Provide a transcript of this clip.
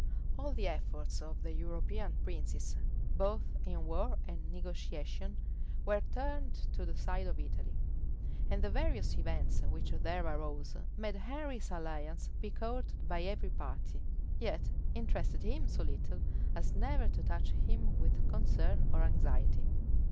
All the efforts of the European princes, both in war and negotiation, were turned to the side of Italy; and the various events which there arose, made Henry's alliance be courted by every party, yet interested him so little as never to touch him with concern or anxiety.